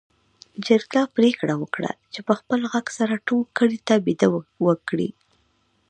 چرګ پرېکړه وکړه چې په خپل غږ سره ټول کلي ته بېده وکړي.